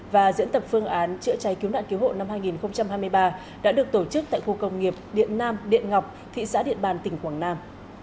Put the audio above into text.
và diễn tập phương án chữa cháy cứu nạn cứu hộ năm hai nghìn hai mươi ba đã được tổ chức tại khu công nghiệp điện nam điện ngọc thị xã điện bàn tỉnh quảng nam